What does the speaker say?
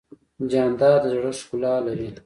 جانداد د زړه ښکلا لري.